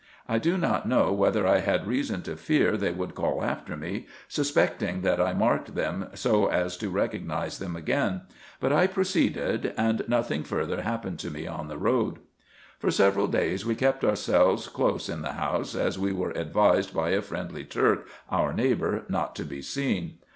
I do not know whether I had reason to fear they would call after me, suspecting that I marked them so as to IN EGYPT, NUBIA, &c. 1 1 recognize them again : but I proceeded, and nothing further hap pened to me on the road. For several days we kept ourselves close in the house, as we were advised by a friendly Turk, our neighbour, not to be seen.